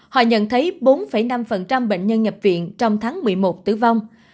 họ nhận thấy bốn năm bệnh nhân nhập viện trong tháng một mươi một tử vong